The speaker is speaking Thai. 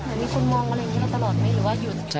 เหมือนมีคนมองอะไรอย่างนี้แล้วตลอดไหมหรือว่าหยุดตลอดตลอดเหรอ